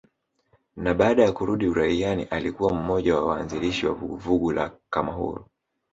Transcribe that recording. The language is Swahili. Na baada ya kurudi uraiani alikuwa mmoja wa waanzilishi wa vuguvugu la kamahuru